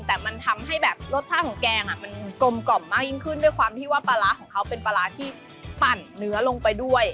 แต่มันทำให้แบบรสชาติของแกงอ่ะมันกลมกล่อมมากยิ่งขึ้นด้วยความที่ว่าปลาร้าของเขาเป็นปลาร้าที่ปั่นเนื้อลงไปด้วย